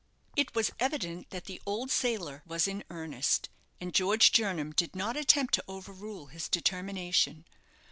It was evident that the old sailor was in earnest, and George Jernam did not attempt to overrule his determination.